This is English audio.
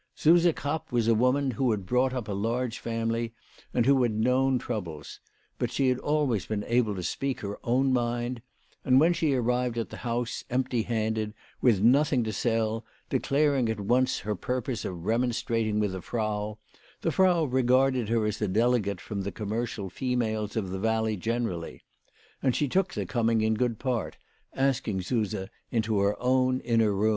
Suse Krapp was a woman who had brought up a large family, and had known troubles ; but she had always been able to speak her own mind ; and when she arrived at the house, empty handed, with nothing to sell, declaring at once her purpose of remonstrating with the Frau, the Frau regarded her as a delegate from the commercial females of the valley generally ; and she took the coming in good part, asking Suse into her own inner room.